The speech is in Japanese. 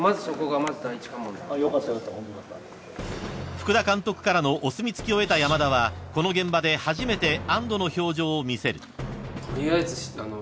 ［福田監督からのお墨付きを得た山田はこの現場で初めて安堵の表情を見せる］